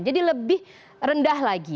jadi lebih rendah lagi